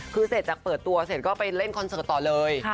คือเสร็จจากเปิดตัวเสร็จก็ไปเล่นคอนเสิร์ตต่อเลย